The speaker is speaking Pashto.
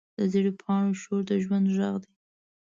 د زېړ پاڼو شور د ژوند غږ دی